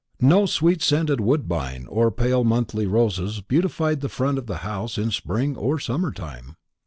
No sweet scented woodbine or pale monthly roses beautified the front of the house in spring or summer time.